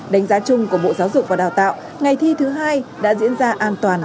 đánh giá chung của bộ giáo dục và đào tạo ngày thi thứ hai đã diễn ra an toàn